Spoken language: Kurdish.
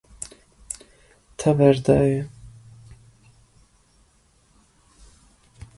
Te berdaye.